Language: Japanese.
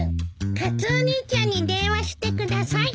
カツオ兄ちゃんに電話してください。